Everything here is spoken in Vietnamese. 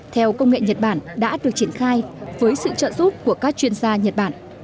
theo công nghệ nhật bản đã được triển khai với sự trợ giúp của các chuyên gia nhật bản